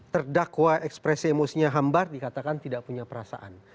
terdakwa ekspresi emosinya hambar dikatakan tidak punya perasaan